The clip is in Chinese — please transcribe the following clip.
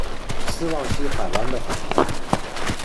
斯旺西海湾的海湾。